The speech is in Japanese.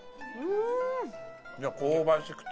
香ばしくて。